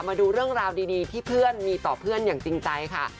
มาดูเรื่องราวดีที่เพื่อนมีต่อเพื่อนอย่างจริงใจค่ะ